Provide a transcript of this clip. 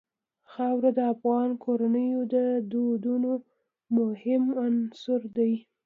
خاوره د افغان کورنیو د دودونو مهم عنصر دی.